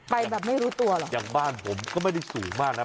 ไปแบบไม่รู้ตัวหรอกอย่างบ้านผมก็ไม่ได้สูงมากนะ